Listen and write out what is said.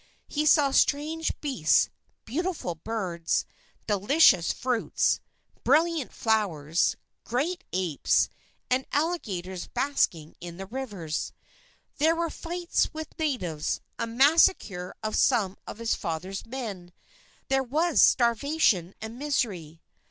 He saw strange beasts, beautiful birds, delicious fruits, brilliant flowers, great apes, and alligators basking in the rivers. There were fights with natives, a massacre of some of his father's men, there was starvation and misery.